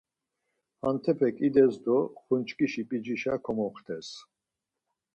Hentepek ides do ğunçkişi p̌icişa komoxtes.